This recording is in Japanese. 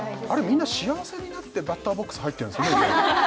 みんな幸せになってバッターボックス入ってるんですね